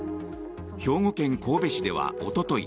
兵庫県神戸市ではおととい